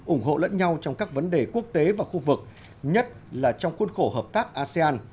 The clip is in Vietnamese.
ủng hộ lẫn nhau trong các vấn đề quốc tế và khu vực nhất là trong khuôn khổ hợp tác asean